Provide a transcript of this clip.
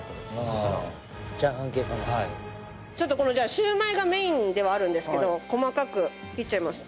ちょっとこのシューマイがメインではあるんですけど細かく切っちゃいます。